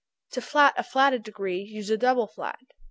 To flat a flatted degree, use a double flat.